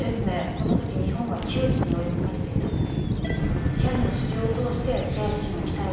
この時日本は窮地に追い込まれていたんです。